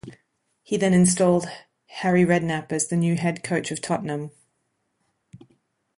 He then installed Harry Redknapp as the new Head Coach of Tottenham.